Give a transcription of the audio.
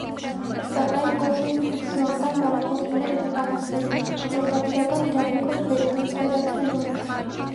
Սակայն կողմ էին բուրժուական բարեփոխումներ իրականացնելուն, ճորտատիրական իրավունքը «վերևից» վերացնելուն։